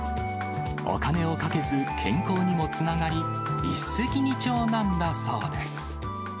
お金をかけず、健康にもつながり、一石二鳥なんだそうです。